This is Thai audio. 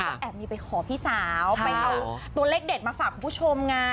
ก็แอบมีไปขอพี่สาวไปเอาตัวเลขเด็ดมาฝากคุณผู้ชมไง